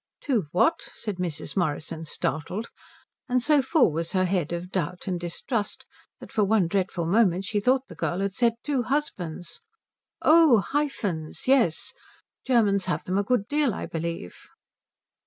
"Two what?" said Mrs. Morrison, startled; and so full was her head of doubt and distrust that for one dreadful moment she thought the girl had said two husbands. "Oh, hyphens. Yes. Germans have them a good deal, I believe."